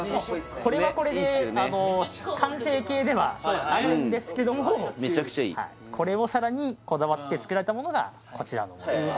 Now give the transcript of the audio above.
これはこれであの完成形ではあるんですけどもうんめちゃくちゃいいこれをさらにこだわって作られたものがこちらのモデルうわ